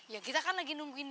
ya kita kan lagi nungguin